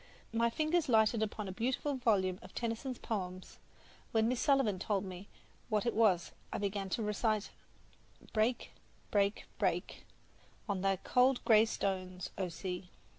My fingers lighted upon a beautiful volume of Tennyson's poems, and when Miss Sullivan told me what it was I began to recite: Break, break, break On thy cold gray stones, O sea!